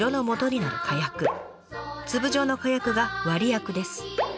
粒状の火薬が「割薬」です。